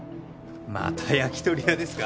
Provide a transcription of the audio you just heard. また焼き鳥屋ですか？